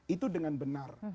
itu dengan benar